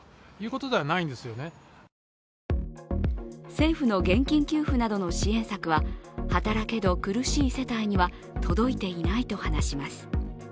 政府の現金給付などの支援策は働けど苦しい世帯には届いていないと話します。